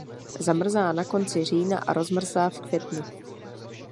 Zamrzá na konci října a rozmrzá v květnu.